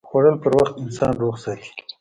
خوړل پر وخت انسان روغ ساتي